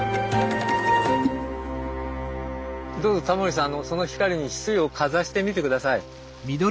どうぞタモリさんその光にヒスイをかざしてみて下さい。